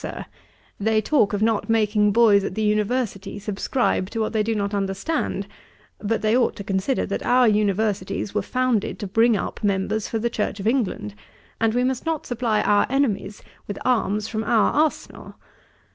Sir, they talk of not making boys at the University subscribe to what they do not understand; but they ought to consider, that our Universities were founded to bring up members for the Church of England, and we must not supply our enemies with arms from our arsenal.